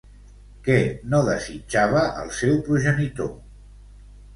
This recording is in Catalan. Què no desitjava el seu progenitor?